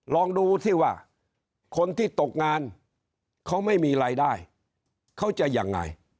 ลองดูที่ว่าคนที่ตกงานเขาไม่มีรายได้เขาจะยังไง